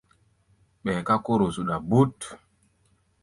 Ɓɛɛ ká kóro zuɗa bút.